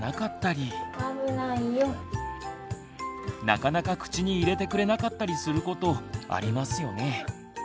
なかなか口に入れてくれなかったりすることありますよね。